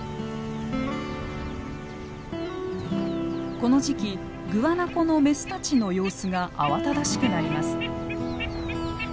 この時期グアナコのメスたちの様子が慌ただしくなります。